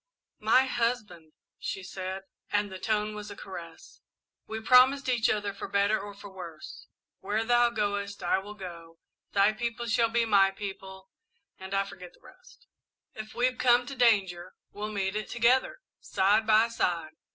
"My husband," she said, and the tone was a caress, "we promised each other for better or for worse. 'Where thou goest, I will go, thy people shall be my people, and ' I forget the rest. "If we've come to danger, we'll meet it together, side by side.